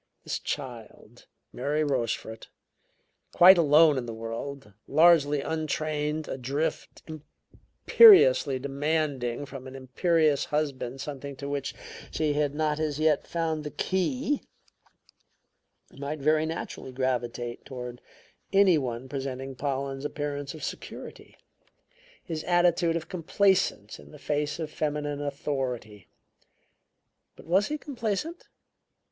This child, Mary Rochefort, quite alone in the world, largely untrained, adrift, imperiously demanding from an imperious husband something to which she had not as yet found the key, might very naturally gravitate toward any one presenting Pollen's appearance of security; his attitude of complacence in the face of feminine authority. But was he complacent?